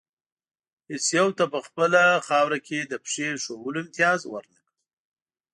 هېڅ یو ته په خپله خاوره کې د پښې ایښودلو امتیاز ور نه کړي.